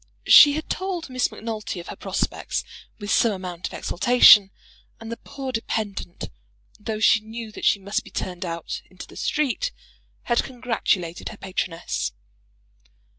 She had told Miss Macnulty of her prospects, with some amount of exultation; and the poor dependant, though she knew that she must be turned out into the street, had congratulated her patroness.